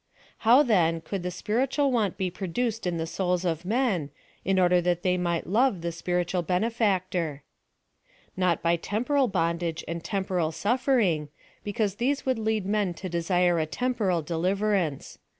How, then, could the spirit It32 PHILOSOPHY OF THE ualwaiit be produced in the soiild of men, in ordei that they might love the spiritual beneflictor? Not by temporal bondage and temporal sulFering, bccairse these would lead men to desire a temporal dtilivcrance.